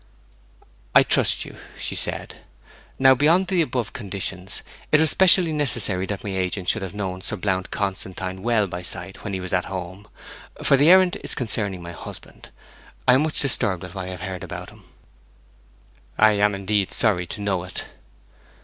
'I trust you,' she said. 'Now, beyond the above conditions, it was specially necessary that my agent should have known Sir Blount Constantine well by sight when he was at home. For the errand is concerning my husband; I am much disturbed at what I have heard about him.' 'I am indeed sorry to know it.'